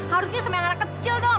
harusnya semangat kecil dong